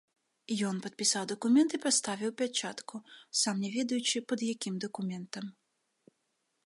Ён падпісаў дакумент і паставіў пячатку, сам не ведаючы пад якім дакументам.